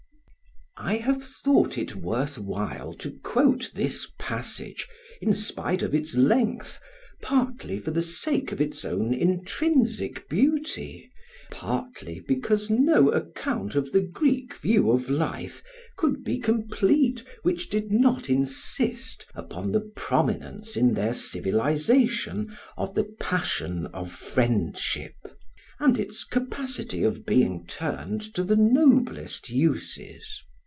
] I have thought it worth while to quote this passage, in spite of its length, partly for the sake of its own intrinsic beauty, partly because no account of the Greek view of life could be complete which did not insist upon the prominence in their civilisation of the passion of friendship, and its capacity of being turned to the noblest uses.